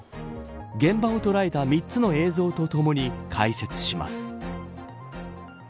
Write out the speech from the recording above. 現場を捉えた３つの映像とともに解説します。